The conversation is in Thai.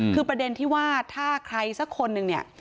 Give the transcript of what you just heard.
คือประเด็นที่ว่าถ้าใครสักคนนึงเนี่ย